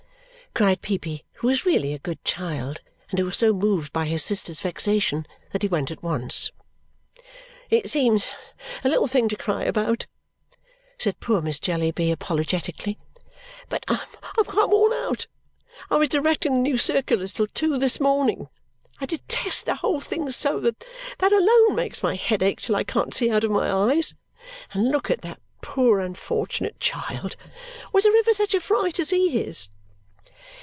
cried Peepy, who was really a good child and who was so moved by his sister's vexation that he went at once. "It seems a little thing to cry about," said poor Miss Jellyby apologetically, "but I am quite worn out. I was directing the new circulars till two this morning. I detest the whole thing so that that alone makes my head ache till I can't see out of my eyes. And look at that poor unfortunate child! Was there ever such a fright as he is!"